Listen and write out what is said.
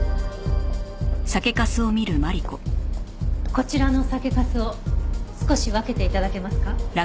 こちらの酒粕を少し分けて頂けますか？